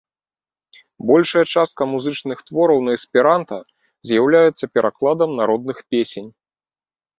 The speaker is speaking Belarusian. Большая частка музычных твораў на эсперанта з'яўляюцца перакладам народных песень.